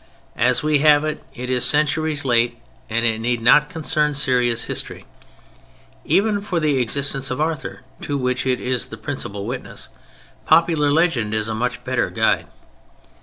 As we have it, it is centuries late, and it need not concern serious history. Even for the existence of Arthur—to which it is the principal witness—popular legend is a much better guide.